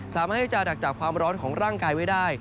สามารถที่จะดักจับความร้อนของร่างกายไว้ได้